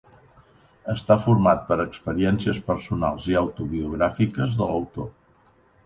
Està format per experiències personals i autobiogràfiques de l’autor.